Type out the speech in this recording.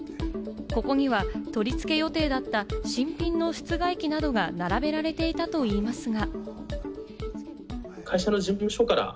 ここには取り付け予定だった新品の室外機などが並べられていたといいますが。